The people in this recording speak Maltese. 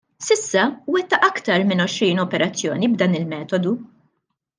S'issa wettaq iktar minn għoxrin operazzjoni b'dan il-metodu.